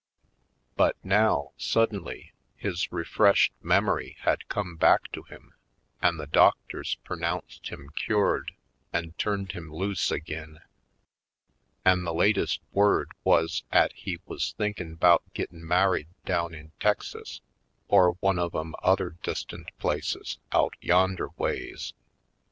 But now, suddenly, his refreshed memory had come back to him an' the doctors per nounced him cured an' turned him loose ag'in; an' the latest word wuz 'at he wuz thinkin' 'bout gittin married down in Texas or one of 'em other distant places, out yon derways.